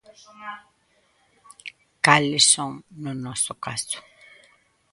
Cales son no noso caso?